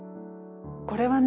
これはね